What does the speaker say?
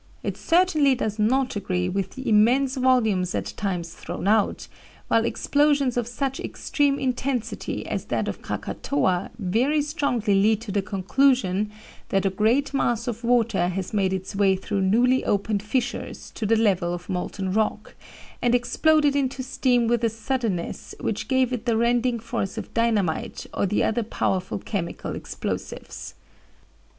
It certainly does not agree with the immense volumes at times thrown out, while explosions of such extreme intensity as that of Krakatoa very strongly lead to the conclusion that a great mass of water has made its way through newly opened fissures to the level of molten rock, and exploded into steam with a suddenness which gave it the rending force of dynamite or the other powerful chemical explosives.